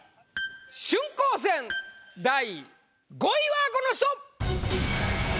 春光戦第５位はこの人！